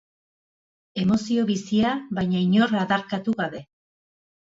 Emozio bizia, baina inor adarkatu gabe.